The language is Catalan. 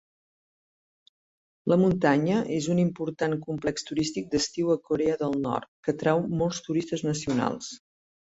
La muntanya és un important complex turístic d'estiu a Corea del Nord que atrau molts turistes nacionals.